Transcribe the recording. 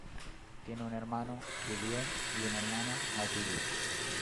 Tiene un hermano, Julien, y una hermana, Mathilde.